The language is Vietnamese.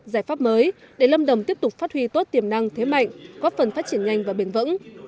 giải pháp mới để lâm đồng tiếp tục phát huy tốt tiềm năng thế mạnh góp phần phát triển nhanh và bền vững